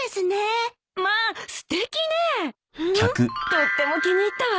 とっても気に入ったわ。